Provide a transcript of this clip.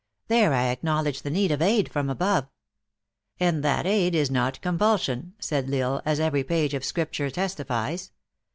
There I acknowledge the need of aid from above." " And that aid is not compulsion," said L Isle, " as every page of Scripture testifies.